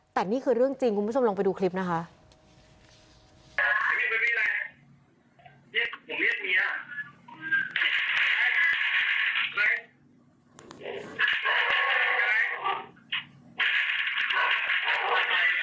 แต่นี่คือเรื่องจริงคุณผู้ชมลองไปดูคลิปนะคะ